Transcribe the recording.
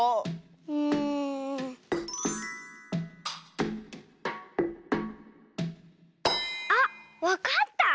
うん。あっわかった！